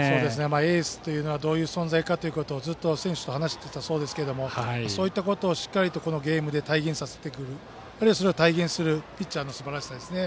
エースというのはどういう存在かずっと選手と話していたそうですがそういったことをしっかりゲームで体現させてくるあるいはそれを体現するピッチャーのすばらしさですね。